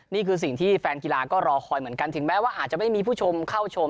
นี่คือสิ่งที่แฟนกีฬาก็รอคอยเหมือนกันถึงแม้ว่าอาจจะไม่มีผู้ชมเข้าชม